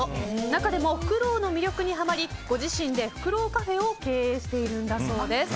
中でもフクロウの魅力にハマりご自身でフクロウカフェを経営しているそうです。